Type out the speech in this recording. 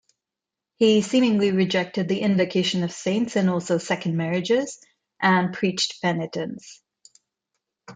He seemingly rejected the invocation of saints and also second marriages, and preached penitence.